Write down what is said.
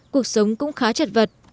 cuộc sống cũng khá chật vật